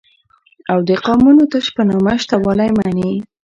او دقومونو تش په نامه شته والى مني